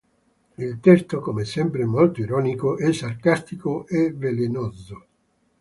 Il testo, come sempre molto ironico, è sarcastico e velenoso.